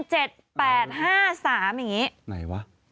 ไหนวะ